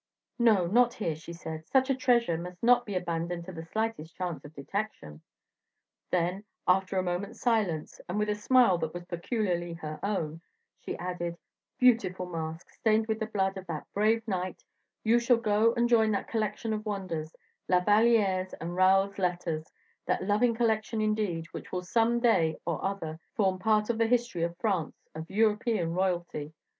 "No, not here," she said, "such a treasure must not be abandoned to the slightest chance of detection." Then, after a moment's silence, and with a smile that was peculiarly her own, she added: "Beautiful mask, stained with the blood of that brave knight, you shall go and join that collection of wonders, La Valliere's and Raoul's letters, that loving collection, indeed, which will some day or other form part of the history of France, of European royalty.